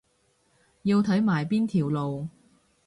要睇埋邊條路